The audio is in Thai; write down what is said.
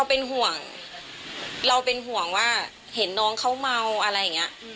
เป็นห่วงเราเป็นห่วงว่าเห็นน้องเขาเมาอะไรอย่างนี้